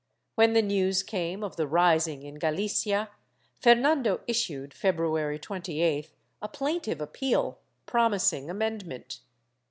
When the news came of the rising in Galicia, Fernando issued, February 28th, a plaintive appeal, promising amendment.